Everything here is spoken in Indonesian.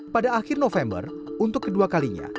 pada akhir november untuk kedua kalinya